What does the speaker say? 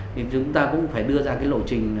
thì chúng ta cũng phải đưa ra cái lộ trình